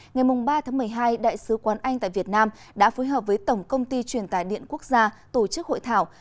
ngày ba tháng một mươi hai đại sứ quán anh tại việt nam đã phối hợp với tổng công ty truyền tài điện quốc gia tổ chức hội thảo